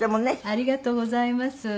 ありがとうございます。